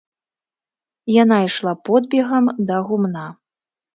Яна ішла подбегам ад гумна.